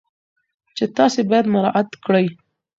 چې تاسو باید مراعات کړئ.